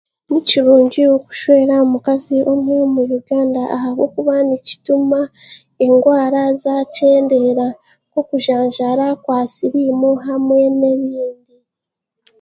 Ni kirungi kushwera omukazi omwe mu Uganda ahabwokuba nikituma endwara zaakyendeera, nk'okujanjaara kwa' siriimu hamwe n'emirembe